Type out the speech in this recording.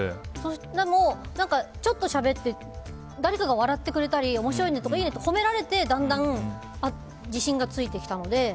でもちょっとしゃべって誰かが笑ってくれたり面白いね、いいねって褒められてだんだん、自信がついてきたので。